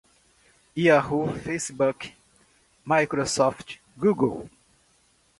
yahoo, facebook, microsoft, google